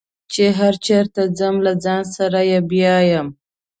چې هر چېرته ځم له ځان سره یې بیایم.